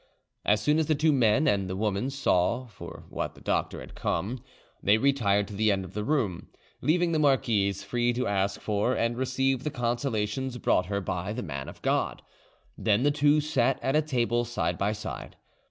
As soon as the two men and the woman saw for what the doctor had come, they retired to the end of the room, leaving the marquise free to ask for and receive the consolations brought her by the man of God. Then the two sat at a table side by side.